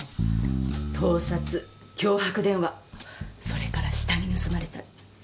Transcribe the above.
盗撮脅迫電話それから下着盗まれたり。